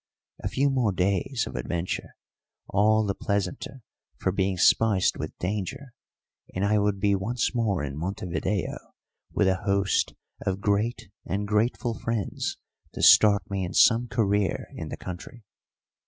A few more days of adventure, all the pleasanter for being spiced with danger, and I would be once more in Montevideo with a host of great and grateful friends to start me in some career in the country.